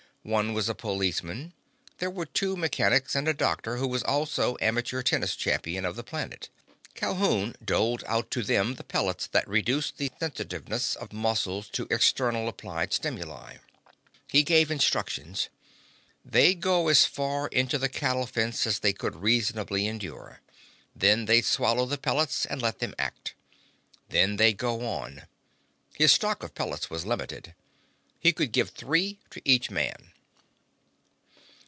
One was a policeman. There were two mechanics and a doctor who was also amateur tennis champion of the planet. Calhoun doled out to them the pellets that reduced the sensitiveness of muscles to externally applied stimuli. He gave instructions. They'd go as far into the cattle fence as they could reasonably endure. Then they'd swallow the pellets and let them act. Then they'd go on. His stock of pellets was limited. He could give three to each man.